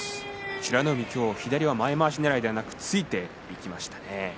美ノ海、左前まわしねらいではなく、突いていきましたね。